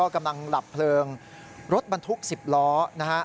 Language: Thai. กำลังหลับเพลิงรถบรรทุก๑๐ล้อนะฮะ